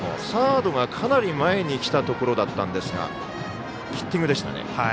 サードがかなり前に来たところだったんですがヒッティングでした。